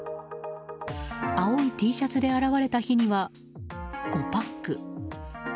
青いＴシャツで現れた日には５パック。